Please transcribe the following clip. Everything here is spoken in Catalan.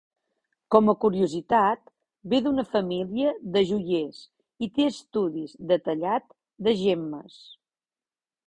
Com a curiositat, ve d'una família de joiers i té estudis de tallat de gemmes.